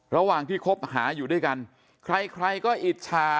ระหว่างที่คบหาอยู่ด้วยกันใครใครก็อิจฉา